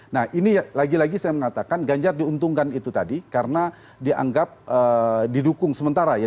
nah ini lagi lagi saya mengatakan ganjar diuntungkan itu tadi karena dianggap didukung sementara ya